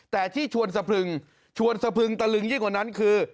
แต่ที่ชวนสะพรึงชวนสะพึงตะลึงยิ่งกว่านั้นคือ